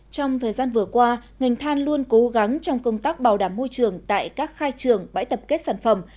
trong thời gian vừa qua ngành than luôn cố gắng trong công tác bảo đảm môi trường tại các khai trường bãi tập kết sản phẩm